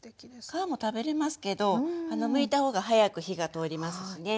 皮も食べれますけどむいた方が早く火が通りますしね。